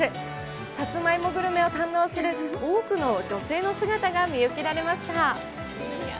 さつまいもグルメを堪能する多くの女性の姿が見受けられました。